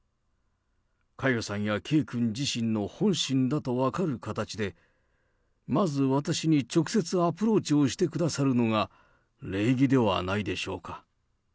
佳代さんや圭君自身の本心だと分かる形で、まず私に直接アプローチをしてくださるのが、礼儀ではないでしょうか。